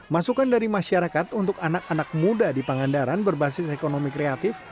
masukan dari masyarakat untuk anak anak muda di pangandaran berbasis ekonomi kreatif